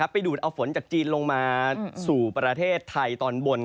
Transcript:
ไปดูดเอาฝนจากจีนลงมาสู่ประเทศไทยตอนบน